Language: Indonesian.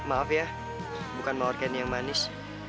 maaf ya bukan mawar ken yang manis